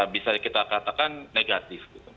bisa kita katakan negatif